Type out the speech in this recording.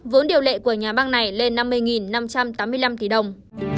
vốn điều lệ của nhà băng này lên năm mươi năm trăm tám mươi năm tỷ đồng